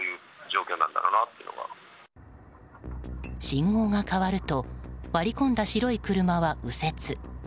信号が変わると割り込んだ白い車は右折。